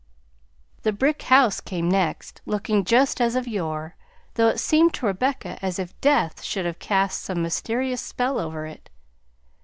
The brick house came next, looking just as of yore; though it seemed to Rebecca as if death should have cast some mysterious spell over it.